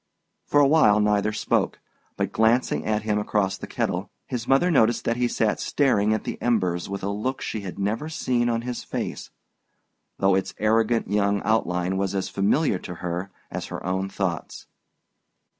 For a while neither spoke; but glancing at him across the kettle, his mother noticed that he sat staring at the embers with a look she had never seen on his face, though its arrogant young outline was as familiar to her as her own thoughts.